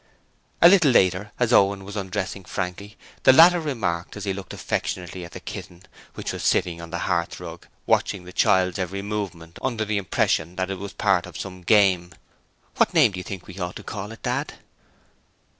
A little later, as Owen was undressing Frankie, the latter remarked as he looked affectionately at the kitten, which was sitting on the hearthrug watching the child's every movement under the impression that it was part of some game: 'What name do you think we ought to call it, Dad?'